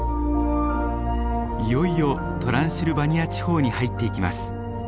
いよいよトランシルバニア地方に入っていきます。